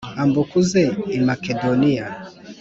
Ambuka uze i Makedoniya